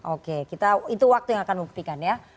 oke itu waktu yang akan membuktikan ya